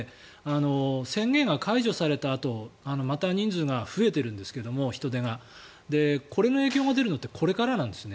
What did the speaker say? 宣言が解除されたあとまた人出が増えているんですがこれの影響が出るのってこれからなんですね。